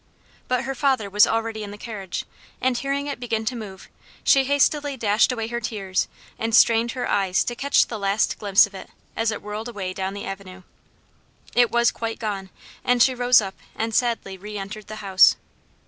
But her father was already in the carriage, and hearing it begin to move, she hastily dashed away her tears, and strained her eyes to catch the last glimpse of it, as it whirled away down the avenue. It was quite gone; and she rose up and sadly re entered the house.